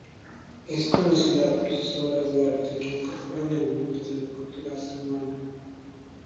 Es conocida por sus obras de arte, que incorporan elementos de la cultura samoana.